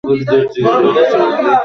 যদিও কিছু উদ্বেগ রয়েছে এখনও।